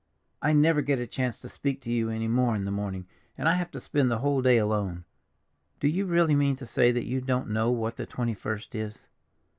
I never get a chance to speak to you any more in the morning, and I have to spend the whole day alone. Do you really mean to say that you don't know what the twenty first is?"